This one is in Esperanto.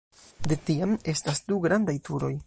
De tiam estas du grandaj turoj.